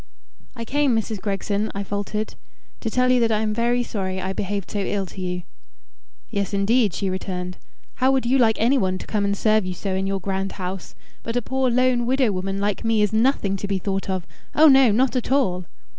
"I came, Mrs. Gregson," I faltered, "to tell you that I am very sorry I behaved so ill to you." "Yes, indeed," she returned. "How would you like anyone to come and serve you so in your grand house? But a poor lone widow woman like me is nothing to be thought of. Oh no! not at all."